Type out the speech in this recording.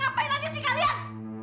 apa yang kamu lakukan